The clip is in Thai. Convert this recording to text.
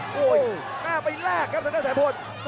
โอ้โหหน้าไปแลกครับแสนพลน